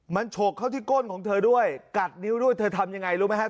มันฉกเข้าที่ก้นของเธอด้วยกัดนิ้วด้วยเธอทำยังไงรู้ไหมครับ